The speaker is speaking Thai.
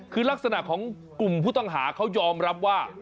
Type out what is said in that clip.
คือลักษณะของกลุ่มผู้ต้องหาเขายอมรับว่า